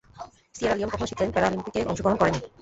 Sierra Leone কখনো শীতকালীন প্যারালিম্পিকে অংশগ্রহণ করেনি।